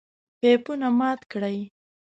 پيپونه مات نکړئ!